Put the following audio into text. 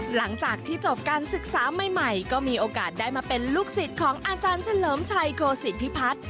หลังจากที่จบการศึกษาใหม่ก็มีโอกาสได้มาเป็นลูกศิษย์ของอาจารย์เฉลิมชัยโคศิพิพัฒน์